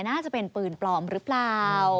น่าจะเป็นปืนปลอมหรือเปล่า